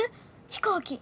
飛行機。